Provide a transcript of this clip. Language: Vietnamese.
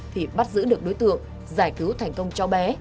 thì bắt giữ được đối tượng giải cứu thành công cháu bé